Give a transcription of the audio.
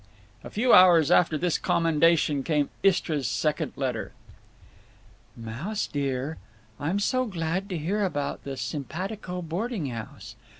A few hours after this commendation came Istra's second letter: Mouse dear, I'm so glad to hear about the simpatico boarding house.